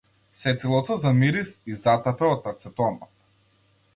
Сетилото за мирис ѝ затапе од ацетонот.